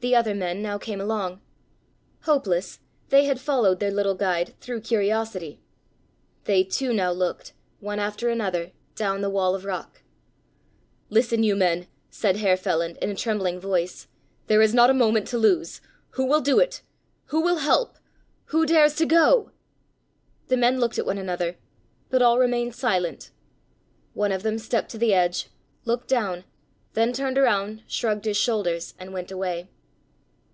The other men now came along: hopeless, they had followed their little guide through curiosity. They too now looked, one after another, down the wall of rock. "Listen, you men," said Herr Feland in a trembling voice, "there is not a moment to lose. Who will do it? Who will help? Who dares to go?" The men looked at one another, but all remained silent. One of them stepped to the edge, looked down, then turned around, shrugged his shoulders, and went away.